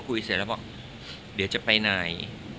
เสร็จแล้วบอกเดี๋ยวจะไปไหน